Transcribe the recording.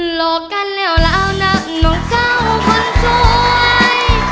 หลอกกันแล้วแล้วนะน้องเจ้ามันช่วย